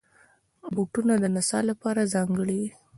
بوټونه د نڅا لپاره ځانګړي وي.